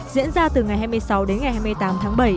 diễn ra từ ngày hai mươi sáu đến ngày hai mươi tám tháng bảy